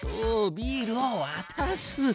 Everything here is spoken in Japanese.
ビールをわたす。